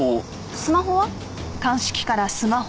スマホは？